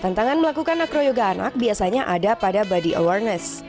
tantangan melakukan acroyoga anak biasanya ada pada body awareness